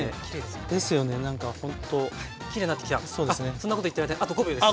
そんなこと言ってる間にあと５秒です。